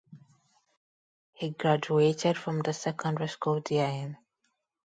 He graduated from the secondary school therein.